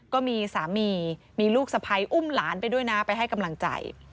ก็มีสามีมีลูกสะพ้ายอุ้มหลานไปด้วยนะไปให้กำลังใจ